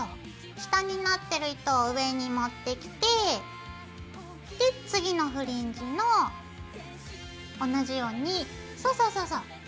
下になってる糸を上に持ってきて次のフリンジの同じようにそうそうそうそう。